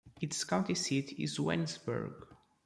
Its county seat is Waynesburg.